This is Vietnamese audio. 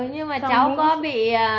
ừ nhưng mà cháu có bị